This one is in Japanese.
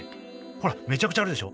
ほらめちゃくちゃあるでしょ。